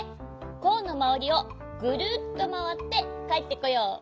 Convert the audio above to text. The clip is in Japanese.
コーンのまわりをぐるっとまわってかえってこよう。